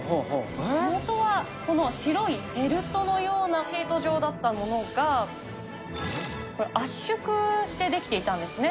もとは、この白いフェルトのようなシート状だったものが、圧縮して出来ていたんですね。